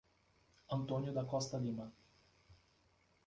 Antônio da Costa Lima